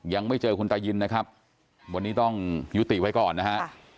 ยังไม่เจอคุณตายินนะครับวันนี้ต้องยุติไว้ก่อนนะฮะ